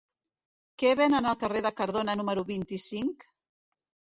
Què venen al carrer de Cardona número vint-i-cinc?